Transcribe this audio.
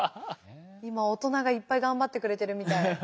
今大人がいっぱい頑張ってくれてるみたい。